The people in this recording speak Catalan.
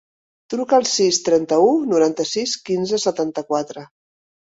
Truca al sis, trenta-u, noranta-sis, quinze, setanta-quatre.